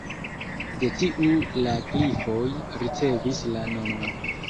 De tiu la klifoj ricevis la nomon.